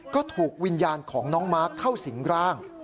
ก็ถูกวิญญาณของน้องมาร์คเข้าสิงร่าง